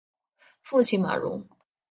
父亲马荣。